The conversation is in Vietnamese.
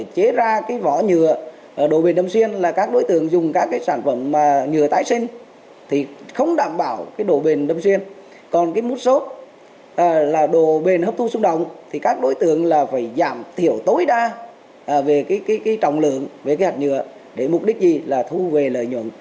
chính là phải giảm thiểu tối đa về trọng lượng về hạt nhựa để mục đích gì là thu về lợi nhuận